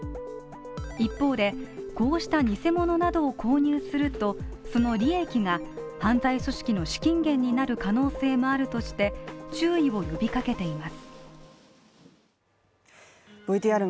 一方で、こうした偽物などを購入すると、その利益が反対組織の資金源になる可能性もあるとして注意を呼びかけています。